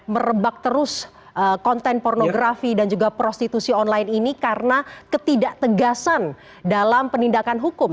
merebak terus konten pornografi dan juga prostitusi online ini karena ketidak tegasan dalam penindakan hukum